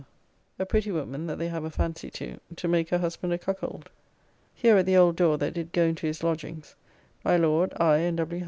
] a pretty woman that they have a fancy to, to make her husband a cuckold. Here at the old door that did go into his lodgings, my Lord, I, and W.